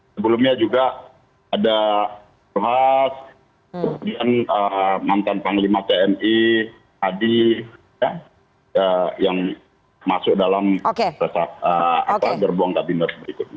sebelumnya juga ada ruhas kemudian mantan panglima tni hadi yang masuk dalam gerbong kabinet berikutnya